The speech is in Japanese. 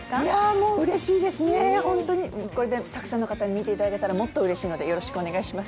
もううれしいですね、これでたくさんの方に見ていただけたらもっとうれしいのでよろしくお願いします。